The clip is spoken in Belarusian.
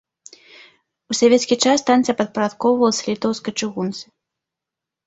У савецкі час станцыя падпарадкоўвалася літоўскай чыгунцы.